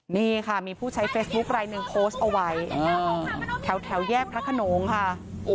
นี่ค่ะมีผู้ใช้เฟซบุ๊คลายหนึ่งโพสต์เอาไว้แถวแยกพระขนงค่ะ